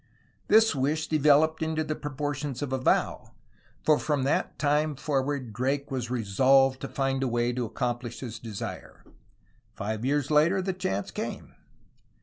'' This wish developed to the proportions of a vow, for from that time forward Drake was resolved to find a way to accomplish his desire. Five years later the chance came.